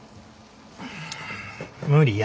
無理や。